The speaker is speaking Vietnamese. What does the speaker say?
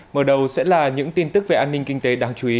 mở đầu sẽ là những tin tức về an ninh kinh tế đáng chú ý